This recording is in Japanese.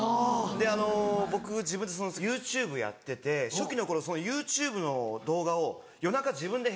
あの僕自分でＹｏｕＴｕｂｅやってて初期の頃そのＹｏｕＴｕｂｅの動画を夜中自分で編集。